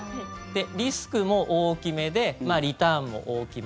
リスクも大きめでリターンも大きめ。